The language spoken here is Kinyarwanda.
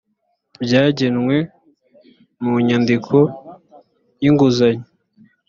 byagenwe mu nyandiko y inguzanyo